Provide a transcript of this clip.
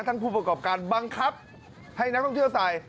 ผู้ประกอบการบังคับให้นักท่องเที่ยวใส่